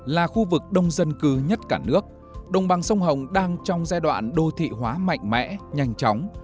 là khu vực đông dân cư nhất cả nước đồng bằng sông hồng đang trong giai đoạn đô thị hóa mạnh mẽ nhanh chóng